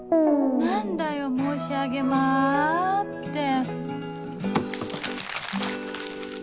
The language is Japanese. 何だよ「申し上げま」ってん。